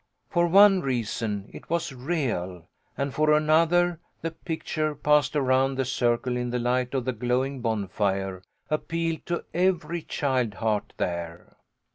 For one reason, it was real, and for another, the picture passed around the circle in the light of the glowing bonfire appealed to every child heart there.